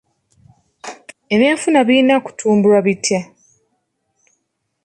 Ebyenfuna birina kutumbulwa bitya?